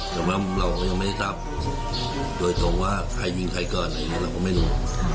แต่ว่าเรายังไม่ทราบโดยตรงว่าใครยิงใครเกิ้ลเราก็ไม่รู้